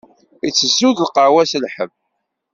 Itezzu-d lqahwa n lḥebb.